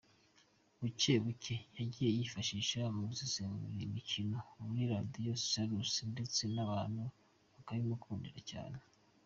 Buke buke yagiye yifashishwa mu gusesengura imikino kuri Radio Salus ndetse abantu bakabimukundira cyane.